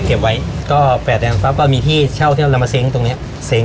เก็บไว้ก็แปดแดงปั๊บก็มีที่เช่าที่เรานำมาเซ้งตรงเนี้ยเซ้ง